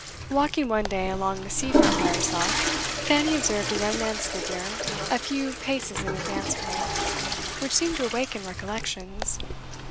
Walking one day along the sea front by herself, Fanny observed a young man's figure a few paces in advance of her, which seemed to awaken recollections.